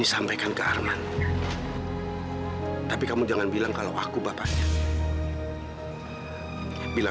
sampai jumpa di video selanjutnya